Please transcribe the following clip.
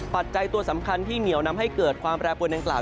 ปัจจัยตัวสำคัญที่เหนียวนำให้เกิดความแปรปวนดังกล่าว